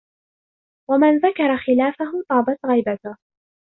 وَمَنْ ذَكَرَ خِلَافَهُ طَابَتْ غَيْبَتُهُ